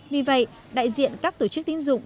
vì vậy đại diện các tổ chức tín dụng